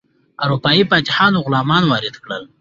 اروپایي فاتحانو غلامان وارد کړل.